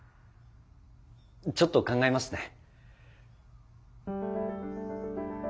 ちょっと考えますね。